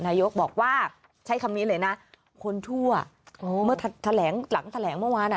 นายกบอกว่าใช้คำนี้เลยนะคนชั่วเมื่อแถลงหลังแถลงเมื่อวานอ่ะ